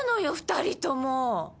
２人とも。